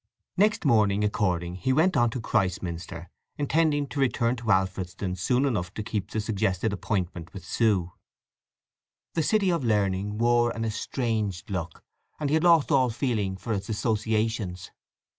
Next morning, according, he went on to Christminster, intending to return to Alfredston soon enough to keep the suggested appointment with Sue. The city of learning wore an estranged look, and he had lost all feeling for its associations.